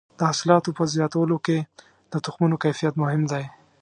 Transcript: د حاصلاتو په زیاتولو کې د تخمونو کیفیت مهم دی.